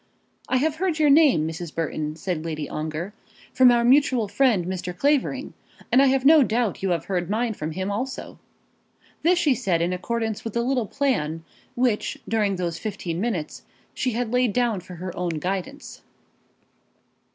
"I have heard your name, Mrs. Burton," said Lady Ongar, "from our mutual friend, Mr. Clavering, and I have no doubt you have heard mine from him also." This she said in accordance with the little plan which during those fifteen minutes she had laid down for her own guidance.